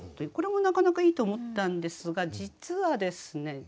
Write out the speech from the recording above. これもなかなかいいと思ったんですが実はですね